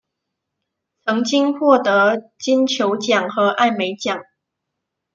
曾经获得金球奖和艾美奖。